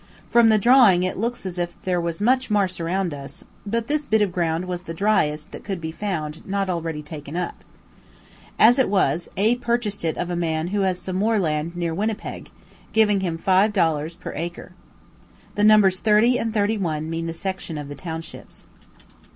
From the drawing it looks as if there was much marsh around us; but this bit of ground was the driest that could be found not already taken up. As it was, A purchased it of a man who has some more land nearer Winnipeg, giving him five dollars per acre. The Nos. 30 and 31 mean the sections of the townships.